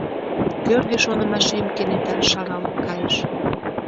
Кӧргӧ шонымашем кенета шаралт кайыш.